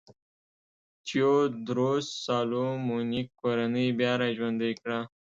تیوودروس سالومونیک کورنۍ بیا را ژوندی کړه.